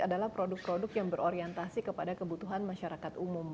adalah produk produk yang berorientasi kepada kebutuhan masyarakat umum